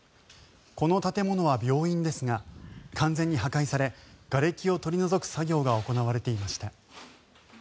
この建物は病院ですが完全に破壊されがれきを取り除く作業が行われていました。